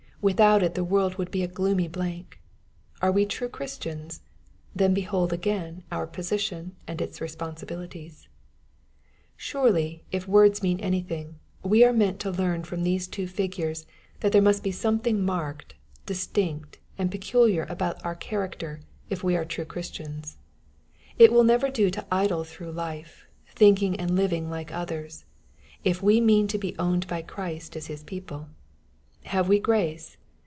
Without it the world would be a gloomy blank. Are we true Christians ? Then behold again our position and its responsibilities I Surely, if words mean anything, we are meant to learn from these two figures, that there must be something piarked, distinct, and peculiar about our character, if we ape true Christians. It will never do to idle through life, thinking and living like others, if we mean to be owned by Christ as His people. Have we grace